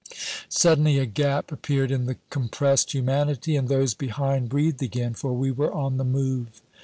Suddenly a gap appeared in the compressed humanity, and those behind breathed again, for we were on the move.